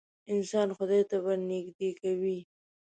انسان خدای ته ورنیږدې کوې.